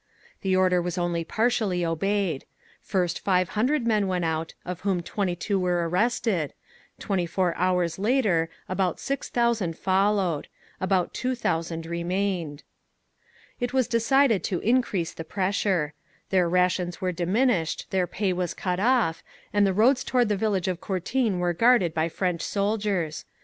The order was only partially obeyed; first 500 men went out, of whom 22 were arrested; 24 hours later about 6,000 followed…. About 2,000 remained…. "It was decided to increase the pressure; their rations were diminished, their pay was cut off, and the roads toward the village of Courtine were guarded by French soldiers.